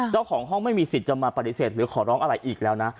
เจ้าของห้องไม่มีสิทธิ์จะมาปฏิเสธหรือขอร้องอะไรอีกแล้วนะ